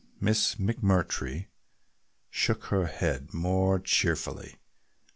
Miss McMurtry shook her head more cheerfully.